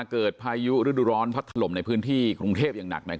พายุฤดูร้อนพัดถล่มในพื้นที่กรุงเทพอย่างหนัก